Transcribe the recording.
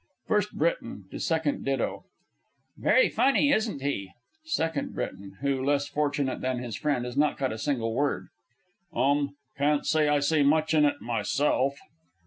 FIRST BRITON (to Second Ditto). Very funny, isn't he? SECOND B. (who less fortunate than his friend has not caught a single word). Um can't say I see much in it myself.